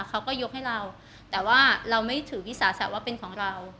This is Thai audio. เขาก็ยกให้เราแต่ว่าเราไม่ถือวิสาสะว่าเป็นของเรา